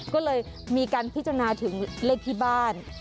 ก็เลยมีการพิจารณาถึงเลขที่บ้าน